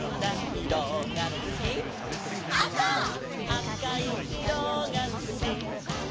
「あかいいろがすき」